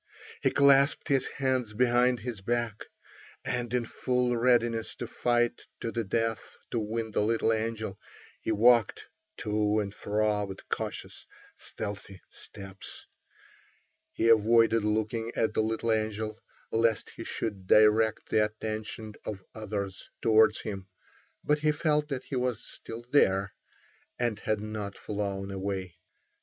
He clasped his hands behind his back, and in full readiness to fight to the death to win the little angel, he walked to and fro with cautious, stealthy steps. He avoided looking at the little angel, lest he should direct the attention of others towards him, but he felt that he was still there, and had not flown away.